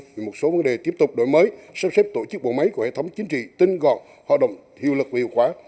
về một số vấn đề tiếp tục đổi mới sắp xếp tổ chức bộ máy của hệ thống chính trị tinh gọn hoạt động hiệu lực và hiệu quả